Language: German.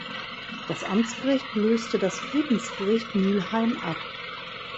Das Amtsgericht löste das Friedensgericht Mülheim ab.